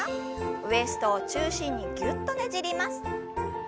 ウエストを中心にぎゅっとねじります。